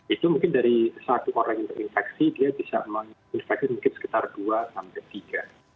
itu mungkin dari satu orang yang terinfeksi dia bisa menginfeksi mungkin sekitar dua sampai tiga